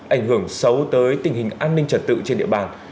ảnh hưởng xấu tới tình hình an ninh trật tự trên địa bàn